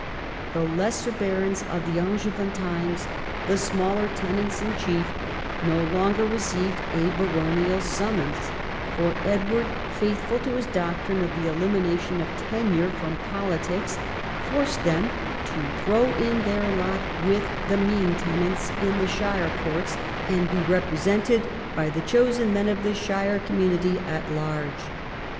The "lesser barons" of the Angevin times — the smaller tenants in chief — no longer received a baronial summons, for Edward, faithful to his doctrine of the elimination of tenure from politics, forced them to throw in their lot with the mesne tenants in the shire courts, and be repre sented by the chosen men of the shire community at large.